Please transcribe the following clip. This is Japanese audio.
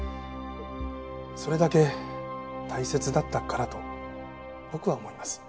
それだけ大切だったからと僕は思います。